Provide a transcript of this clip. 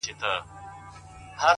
پوه انسان د هر حالت مانا لټوي.!